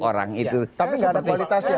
orang itu tapi nggak ada kualitas ya